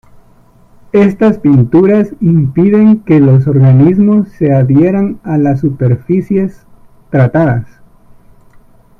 Estas pinturas impiden que los organismos se adhieran a las superficies tratadas.